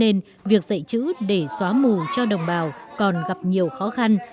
nên việc dạy chữ để xóa mù cho đồng bào còn gặp nhiều khó khăn